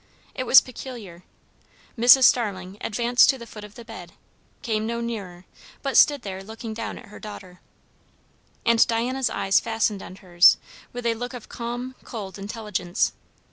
It was peculiar. Mrs. Starling advanced to the foot of the bed, came no nearer, but stood there looking down at her daughter. And Diana's eyes fastened on hers with a look of calm, cold intelligence.